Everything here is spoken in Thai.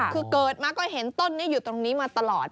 คือเกิดมาก็เห็นต้นนี้อยู่ตรงนี้มาตลอด